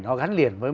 nó gắn liền với